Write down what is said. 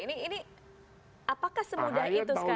ini apakah semudah itu sekarang